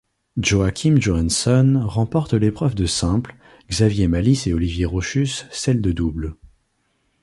Joachim Johansson remporte l'épreuve de simple, Xavier Malisse et Olivier Rochus celle de double.